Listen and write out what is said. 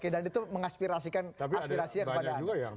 dan itu mengaspirasikan aspirasinya kepada anda